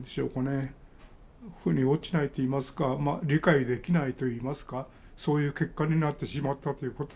腑に落ちないといいますか理解できないといいますかそういう結果になってしまったということ